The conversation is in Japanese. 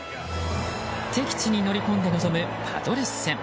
敵地に乗り込んで臨むパドレス戦。